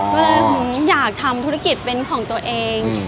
ก็เลยอยากทำธุรกิจเป็นของตัวเอง